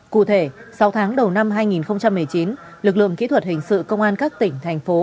cụ thể sau tháng đầu năm hai nghìn một mươi chín lực lượng kỹ thuật hình sự công an các tỉnh thành phố